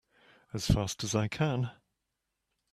As fast as I can!